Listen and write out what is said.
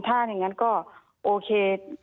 ถ้าอย่างนั้นก็โอเค